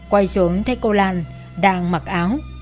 quay xuống thấy cô lanh đang mặc áo